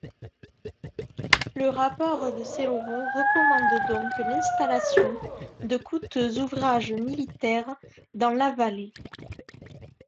Le rapport de Céloron recommande donc l'installation de coûteux ouvrages militaires dans la vallée.